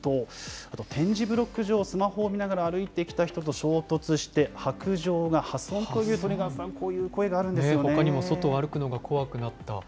あと、点字ブロック上を、スマホを見ている人と衝突して、白杖が破損という、利根川さん、ほかにも外を歩くのが怖くなった。